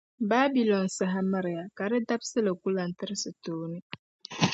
Babilɔn saha miriya, ka di dabisili ku lan tirisi tooni.